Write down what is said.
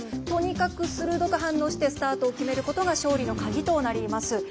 とにかく、鋭く反応してスタートを決めることが勝利の鍵になります。